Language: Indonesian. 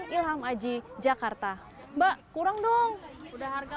pilihan yang terbaik tapi yang terbaik juga bisa diperoleh oleh pilihan yang terbaik